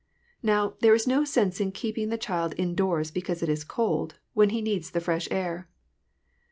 Now, there is no sense in keeping the child indoors because it is cold, when he needs the fresh air."